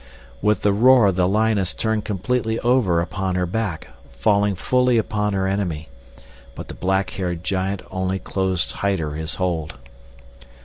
With a roar the lioness turned completely over upon her back, falling full upon her enemy; but the black haired giant only closed tighter his hold.